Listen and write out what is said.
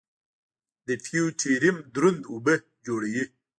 د فیوټیریم دروند اوبه جوړوي.